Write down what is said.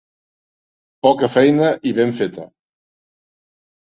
Poca feina i ben feta.